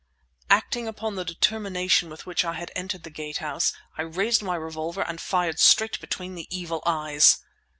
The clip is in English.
Acting upon the determination with which I had entered the Gate House, I raised my revolver and fired straight between the evil eyes!